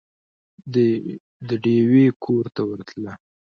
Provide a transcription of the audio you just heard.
د ډېوې کور ته ورتله